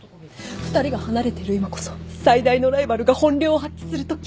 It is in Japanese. ２人が離れてる今こそ最大のライバルが本領を発揮するとき。